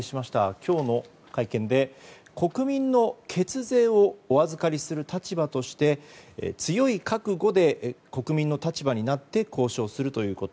今日の会見で国民の血税をお預かりする立場として強い覚悟で国民の立場になって交渉するということ。